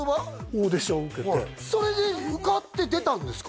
オーディション受けてそれで受かって出たんですか？